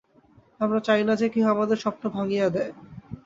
আমরা চাই না যে, কেহ আমাদের স্বপ্ন ভাঙিয়া দেয়।